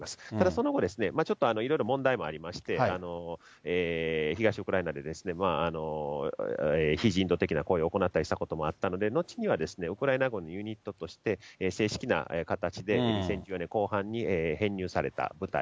その後、ちょっといろいろ問題もありまして、東ウクライナで非人道的な行為を行ったりしたこともあったので、後にはウクライナ軍のユニットとして正式な形で、後半に編入された部隊。